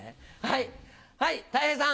はいたい平さん。